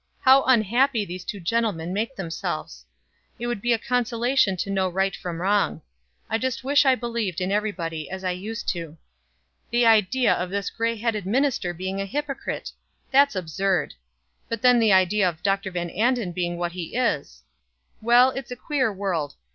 How unhappy these two gentlemen make themselves. It would be a consolation to know right from wrong. I just wish I believed in everybody as I used to. The idea of this gray headed minister being a hypocrite! that's absurd. But then the idea of Dr. Van Anden being what he is! Well, it's a queer world.